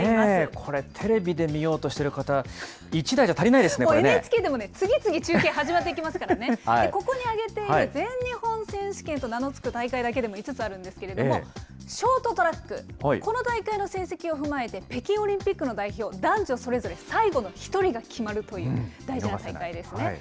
これ、テレビで見ようとしている方、１台じゃ足りないですね、ＮＨＫでも次々中継始まっていきますからね、ここに挙げている全日本選手権と名の付く大会だけでも５つあるんですけれども、ショートトラック、この大会の成績を踏まえて、北京オリンピックの代表、男女それぞれ最後の一人が決まるという大事な大会ですね。